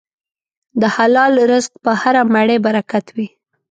د حلال رزق په هره مړۍ برکت وي.